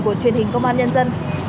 của truyền hình công an nhân dân